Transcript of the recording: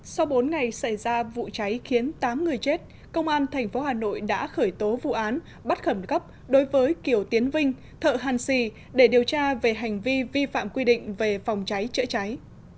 sau bốn ngày xảy ra vụ cháy khiến tám người chết công an tp hà nội đã khởi tố vụ án bắt khẩn cấp đối với kiều tiến vinh thợ hàn xì để điều tra về hành vi vi phạm quy định về phòng cháy chữa cháy